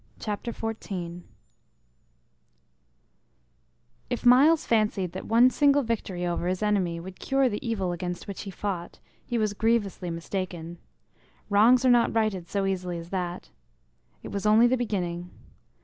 CHAPTER 14 If Myles fancied that one single victory over his enemy would cure the evil against which he fought, he was grievously mistaken; wrongs are not righted so easily as that. It was only the beginning.